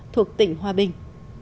thuộc tỉnh hòa bình